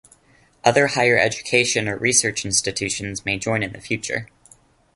Other higher education or research institutions may join in the future.